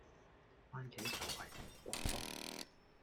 蕃茄就係紅卜卜